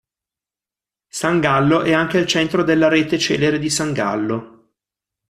San Gallo è anche il centro della rete celere di San Gallo.